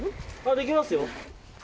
できますよ。